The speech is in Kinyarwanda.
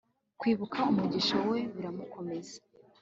Kwibuka umugisha we biramukomeza